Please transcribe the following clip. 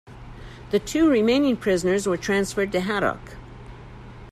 The two remaining prisoners were transferred to "Haddock".